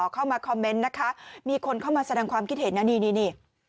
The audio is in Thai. เข้ามาคอมเมนต์นะคะมีคนเข้ามาแสดงความคิดเห็นนะนี่นี่